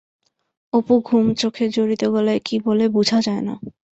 অপু ঘুমচোখে জড়িত গলায় কি বলে বোঝা যায় না।